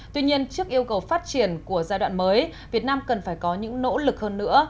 tuy nhiên trước yêu cầu phát triển của giai đoạn mới việt nam cần phải có những nỗ lực hơn nữa